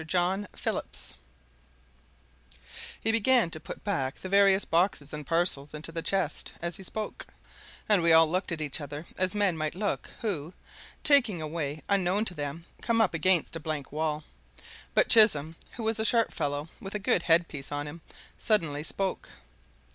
JOHN PHILLIPS He began to put back the various boxes and parcels into the chest as he spoke, and we all looked at each other as men might look who, taking a way unknown to them, come up against a blank wall. But Chisholm, who was a sharp fellow, with a good headpiece on him, suddenly spoke.